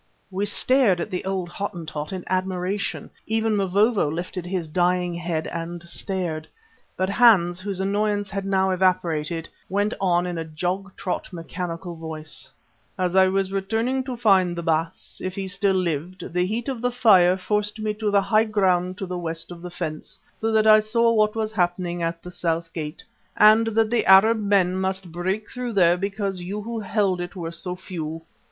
We stared at the old Hottentot in admiration, even Mavovo lifted his dying head and stared. But Hans, whose annoyance had now evaporated, went on in a jog trot mechanical voice: "As I was returning to find the Baas, if he still lived, the heat of the fire forced me to the high ground to the west of the fence, so that I saw what was happening at the south gate, and that the Arab men must break through there because you who held it were so few.